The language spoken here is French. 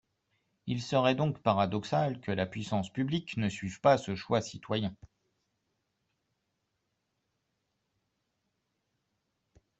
Il serait donc paradoxal que la puissance publique ne suive pas ce choix citoyen.